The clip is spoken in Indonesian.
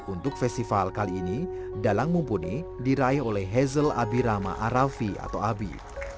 untuk festival kali ini dalang mumpuni diraih oleh hazel abirama arafi atau abi